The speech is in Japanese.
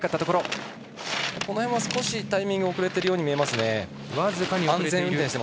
少しタイミングが遅れているように見えます。